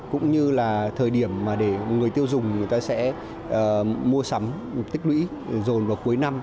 cũng như là thời điểm mà để người tiêu dùng người ta sẽ mua sắm tích lũy dồn vào cuối năm